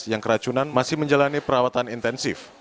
yang keracunan masih menjalani perawatan intensif